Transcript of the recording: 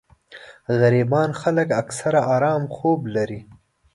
غريبان خلک اکثر ارام خوب لري